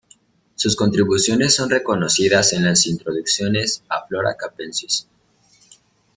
Sus contribuciones son reconocidas en las introducciones a "Flora Capensis".